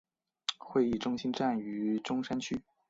会议中心站位于中山区。